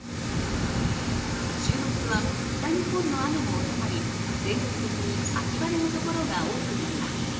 週末は北日本の雨も収まり、全国的に秋晴れのところが多くなります。